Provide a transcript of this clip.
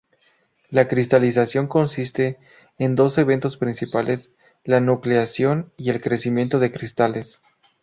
La cristalización consiste en dos eventos principales, la nucleación y el crecimiento de cristales.